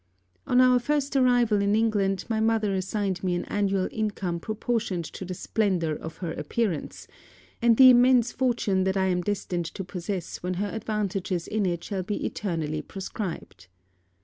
On our first arrival in England, my mother assigned me an annual income proportioned to the splendour of her appearance, and the immense fortune that I am destined to possess when her advantages in it shall be eternally proscribed.